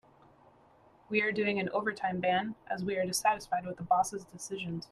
We are doing an overtime ban as we are dissatisfied with the boss' decisions.